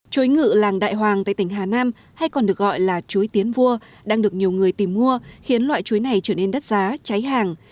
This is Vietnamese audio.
chuối ngự làng đại hoàng tại tỉnh hà nam hay còn được gọi là chuối tiến vua đang được nhiều người tìm mua khiến loại chuối này trở nên đắt giá cháy hàng